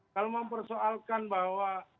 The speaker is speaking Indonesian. kalau mempersoalkan bahwa